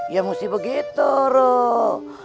ya mesti begitu rol